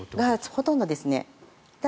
ほとんどですね。